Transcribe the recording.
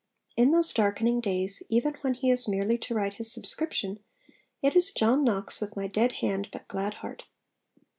In those darkening days, even when he is merely to write his subscription, it is 'John Knox, with my dead hand but glad heart.'